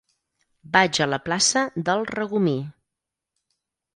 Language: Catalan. Vaig a la plaça del Regomir.